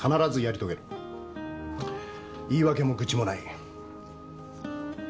言い訳も愚痴もない。